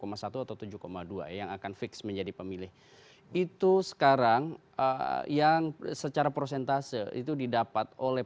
satu atau tujuh dua yang akan fix menjadi pemilih itu sekarang yang secara prosentase itu didapat oleh